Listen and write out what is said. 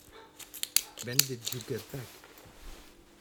When did you get back?